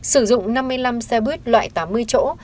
sử dụng năm mươi năm xe buýt loại tám mươi chỗ